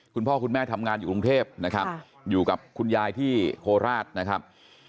คุณพ่อคุณแม่ทำงานอยู่กรุงเทพนะครับอยู่กับคุณยายที่โคราชนะครับ